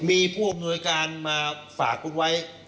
มีผู้อำนวยการมาฝากคุณไว้